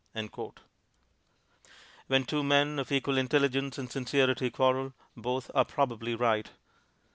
When two men of equal intelligence and sincerity quarrel, both are probably right.